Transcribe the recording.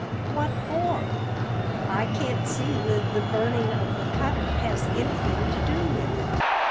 "What for? I can't see that the burning of the cutter has anything to do with it.